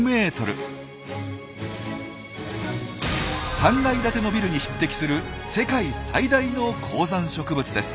３階建てのビルに匹敵する世界最大の高山植物です。